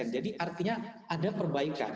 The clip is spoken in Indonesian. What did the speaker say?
jadi artinya ada perbaikan